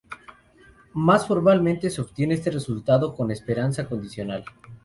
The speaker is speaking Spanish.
Más formalmente, se obtiene este resultado con esperanza condicional.